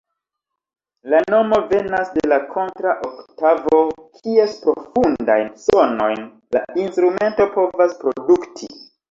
La nomo venas de la kontra-oktavo, kies profundajn sonojn la instrumento povas produkti.